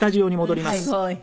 すごい。